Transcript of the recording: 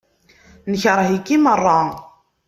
Nekṛeh-ik i meṛṛa.